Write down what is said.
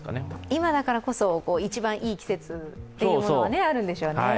今だからこそ一番いい季節というものがあるんでしょうね。